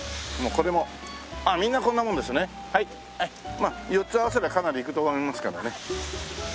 まあ４つ合わせればかなりいくと思いますけどね。